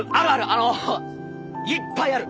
あのいっぱいある！